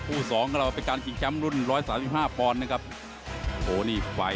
เข้ากลุ่มหวัง